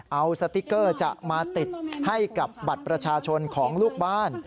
เอาสติ๊กเกอร์จะมาติดให้กับบัตรประชาชนของลูกบ้าน